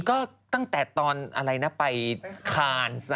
ก็ตั้งแต่ตอนอะไรนะไปคาน